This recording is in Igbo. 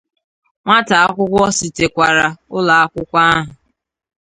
nwata akwụkwọ sitekwara ụlọakwụkwọ ahụ